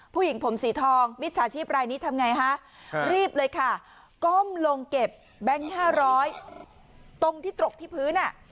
ผู้หญิงผมสีทองมิจฉาชีพรายนี้ทำไงฮะรีบเลยค่ะก้มลงเก็บแบงค์๕๐๐ตรงที่ตกที่พื้นอ่ะ